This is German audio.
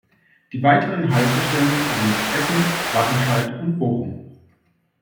Die weiteren Haltestellen sind Essen, Wattenscheid und Bochum.